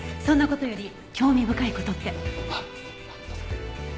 そんな事より興味深い事って？